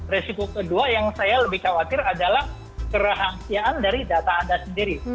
resiko kedua yang saya lebih khawatir adalah kerahasiaan dari data anda sendiri